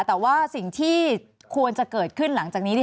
แต่ว่าสิ่งที่ควรจะเกิดขึ้นหลังจากนี้